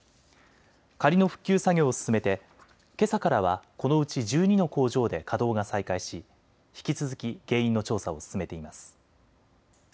仮の復旧作業を進めてけさからはこのうち１２の工場で稼働が再開し引き続き原因の調査を進めています。